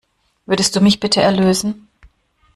Würdest du mich bitte erlösen?